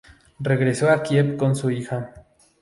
Regresó a Kiev con su hija.